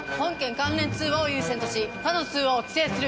関連通話を優先とし他の通話を規制する。